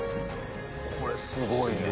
これ、すごいね。